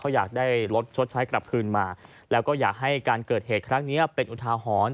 เขาอยากได้รถชดใช้กลับคืนมาแล้วก็อยากให้การเกิดเหตุครั้งนี้เป็นอุทาหรณ์